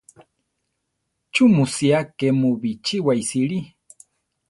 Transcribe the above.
¿Chú mu sía ké mu bichíwa iʼsíli?